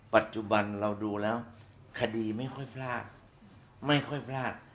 ปัจจุบันเราดูแล้วคดีไม่ค่อยพลาด